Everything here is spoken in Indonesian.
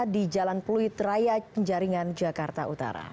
di jalan pluit raya penjaringan jakarta utara